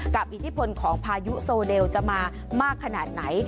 อิทธิพลของพายุโซเดลจะมามากขนาดไหน